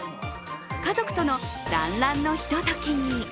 家族との団らんのひとときに。